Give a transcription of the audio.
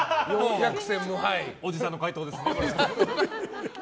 おじさんの回答ですね。